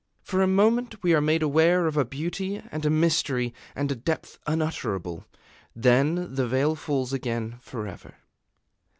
For a moment we are made aware of a beauty and a mystery and a depth unutterable: then the Veil falls again forever.